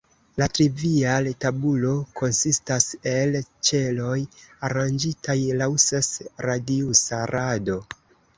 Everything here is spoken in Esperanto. La trivial-tabulo konsistas el ĉeloj aranĝitaj laŭ ses-radiusa rado.